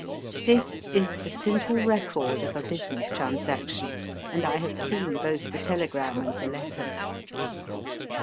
This is the simple record of a business transaction, and I have seen both the telegram and the letter.